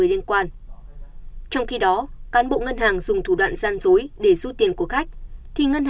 cơ quan điều tra sẽ xác định